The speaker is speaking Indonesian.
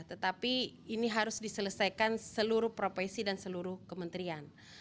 tetapi ini harus diselesaikan seluruh profesi dan seluruh kementerian